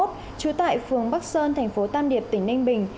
trú tại phường bắc sơn tp tam điệp tp ninh bình